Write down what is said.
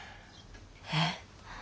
えっ。